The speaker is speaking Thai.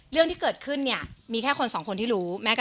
เรื่องที่เกิดขึ้นเนี่ยมีแค่คนสองคนที่รู้